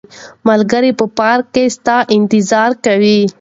ملګري په پارک کې ستا انتظار کوي.